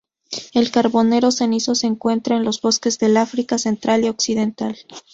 El carbonero cenizo se encuentra en los bosques del África Central y Occidental.